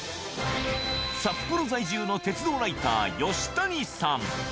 札幌在住の鉄道ライター、吉谷さん。